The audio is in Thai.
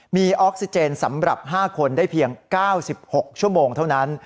มีออกซิเจนสำหรับ๕คนได้เพียง๙๖ชั่วโมงเท่านั้น